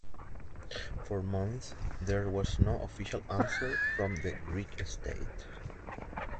For months there was no official answer from the Greek state.